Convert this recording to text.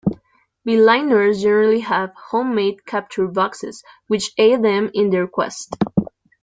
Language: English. Beeliners generally have homemade capture boxes which aid them in their quest.